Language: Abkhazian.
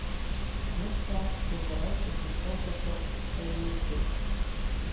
Мыд ҳәа уи уара узышьҭоу са соуп, ҳәа иеиҳәеит.